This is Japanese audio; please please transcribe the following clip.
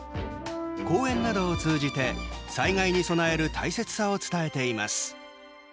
講演などを通じて災害に備える大切さを伝えています。